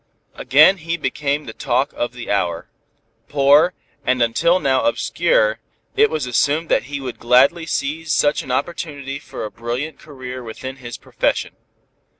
Again he became the talk of the hour. Poor, and until now obscure, it was assumed that he would gladly seize such an opportunity for a brilliant career within his profession.